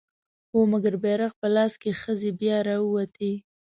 هو! مګر بيرغ په لاس که ښځې بيا راووتې